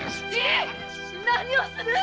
何をする！